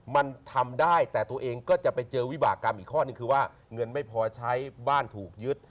มันทำได้แต่ตัวเองก็จะไปเจอวิบากรรมอีกข้อหนึ่งคือว่าเงินไม่พอใช้บ้านถูกยึด